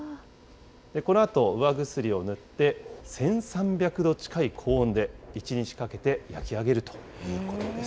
このあと釉薬を塗って、１３００度近い高温で１日かけて焼き上げるということです。